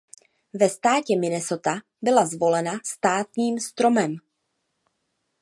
Ve státě Minnesota byla zvolena státním stromem.